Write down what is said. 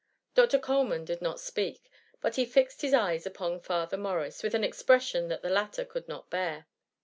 *" Dr. Coleman did not speak, but he fixed his eyes upon Father Morris, with an expression which the latter could not bear.